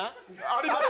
あります。